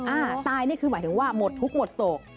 อ่าตายนี่คือหมายถึงว่าหมดทุกข์หมดโศก